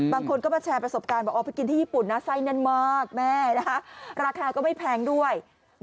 บางคนก็มาแชร์ประสบการณ์บอกเอาไปกินที่ญี่ปุ่นนะไส้แน่นมากแม่นะคะราคาก็ไม่แพงด้วย